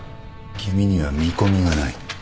君には見込みがない